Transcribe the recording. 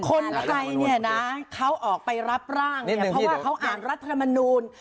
คนใครเขาออกไปรับร่างเพราะว่าเขาอ่านรัฐธรรมนูญ